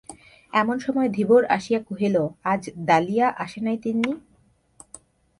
এমন সময় ধীবর আসিয়া কহিল, আজ দালিয়া আসে নাই তিন্নি?